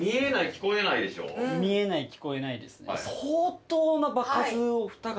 見えない聞こえないです。